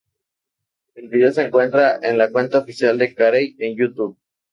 El vídeo se encuentra en la cuenta oficial de Carey en YouTube.